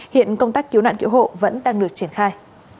hiện công tác cứu nạn cứu hộ vẫn đang được triển khai